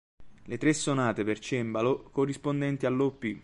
Le tre sonate per cembalo, corrispondenti all'Op.